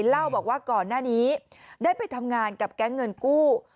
เล่าบอกว่าก่อนหน้านี้ได้ไปทำงานกับแก๊งเงินกู้